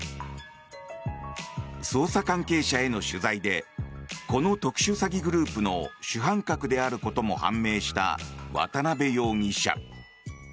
捜査関係者への取材でこの特殊詐欺グループの主犯格であることも判明した渡邉容疑者。